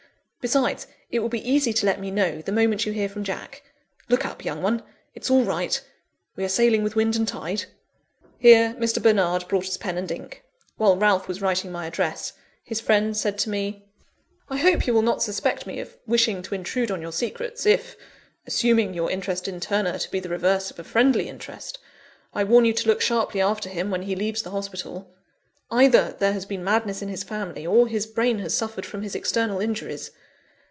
Besides, it will be easy to let me know, the moment you hear from Jack. Look up, young one! It's all right we are sailing with wind and tide." Here Mr. Bernard brought us pen and ink. While Ralph was writing my address, his friend said to me: "I hope you will not suspect me of wishing to intrude on your secrets, if (assuming your interest in Turner to be the reverse of a friendly interest) I warn you to look sharply after him when he leaves the hospital. Either there has been madness in his family, or his brain has suffered from his external injuries.